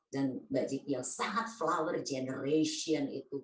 dan bajik yang sangat flower generation gitu